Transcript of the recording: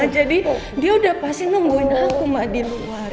jadi dia udah pasti nungguin aku mah di luar